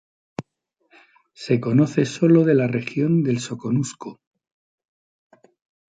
Se conoce solo de la región del Soconusco.